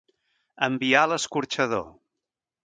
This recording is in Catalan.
Enviar a l'escorxador.